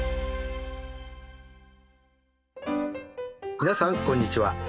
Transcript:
皆さんこんにちは。